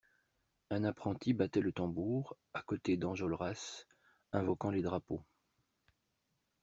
Un apprenti battait le tambour, à côté d'Enjolras invoquant les drapeaux.